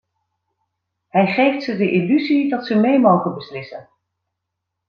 Hij geeft ze de illusie dat ze mee mogen beslissen.